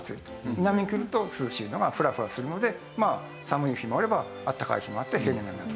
南にくると涼しいのがふらふらするのでまあ寒い日もあれば暖かい日もあって平年並みになる。